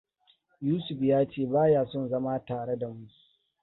Yusuf ya ce ba ya son zama tare da mu.